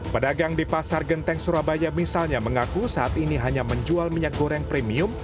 pedagang di pasar genteng surabaya misalnya mengaku saat ini hanya menjual minyak goreng premium